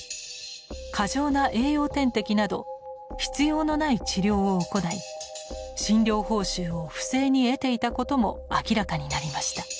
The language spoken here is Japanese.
過剰な栄養点滴など必要のない治療を行い診療報酬を不正に得ていたことも明らかになりました。